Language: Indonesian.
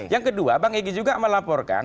yang kedua bang egy juga melaporkan